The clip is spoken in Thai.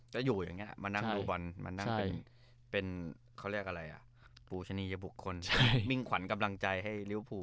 จะอยู่อย่างนี้มานั่งดูฟุตบอลมานั่งเป็นฟูชะนียะบุกคนมิ่งขวัญกำลังใจให้ริวภู